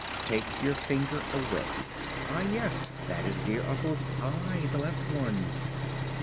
"Take your finger away. Ah, yes, that is dear uncle's eye. The left one."